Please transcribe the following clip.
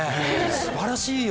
すばらしいよ。